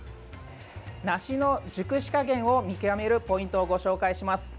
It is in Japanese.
梨の熟し加減を見極めるポイントをご紹介します。